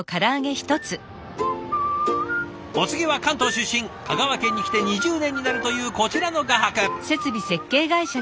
お次は関東出身香川県に来て２０年になるというこちらの画伯。